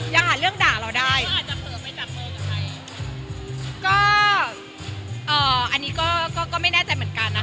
ยังหาเรื่องด่าเราได้ก็เอ่ออันนี้ก็ก็ไม่แน่ใจเหมือนกันนะคะ